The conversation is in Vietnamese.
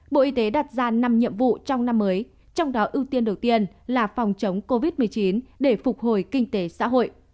bộ y tế đặt ra năm nhiệm vụ trong năm mới trong đó ưu tiên đầu tiên là phòng chống covid một mươi chín để phục hồi kinh tế xã hội